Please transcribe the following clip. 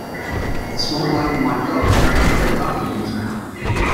a small black and white dog carrying a red bucket in his mouth